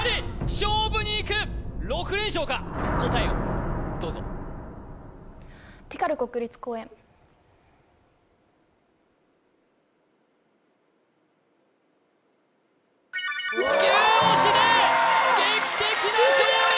勝負にいく６連勝か答えをどうぞ地球押しで劇的な勝利！